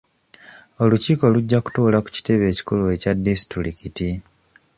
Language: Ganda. Olukiiko lujja kutuula ku kitebe ekikulu ekya disitulikiti.